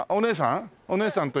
お姉さんと妹。